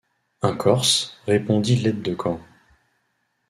Un Corse, répondit l’aide-de-camp.